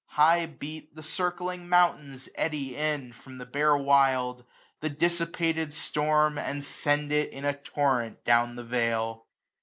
High beat, the circling mountains eddy in. From the bare wild, the dissipated storm, And send it in a torrent down the vale.